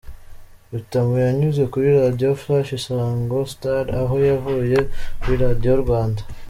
Rutamu yanyuze kuri Radio Flash, Isango Star aho yavuye kuri Radio Rwanda.